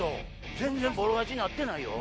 全然ボロ勝ちになってないよ。